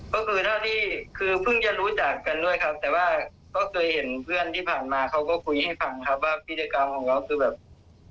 ก็คือเท่าที่คือเพิ่งจะรู้จักกันด้วยครับแต่ว่าก็เคยเห็นเพื่อนที่ผ่านมาเขาก็คุยให้ฟังครับว่าพิธีกรรมของเขาคือแบบ